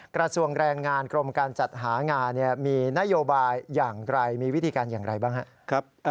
กระทรวงแรงงานกรมการจัดหางานมีนโยบายอย่างไรมีวิธีการอย่างไรบ้างครับ